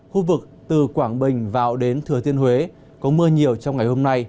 khu vực từ quảng bình vào đến thừa thiên huế có mưa nhiều trong ngày hôm nay